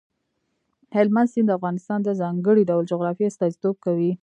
هلمند سیند د افغانستان د ځانګړي ډول جغرافیه استازیتوب کوي.